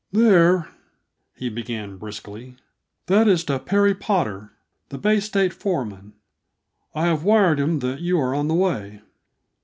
"There," he began briskly, "that is to Perry Potter, the Bay State foreman. I have wired him that you are on the way."